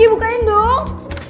rizky bukain dong